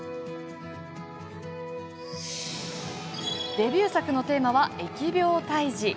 デビュー作のテーマは「疫病退治」。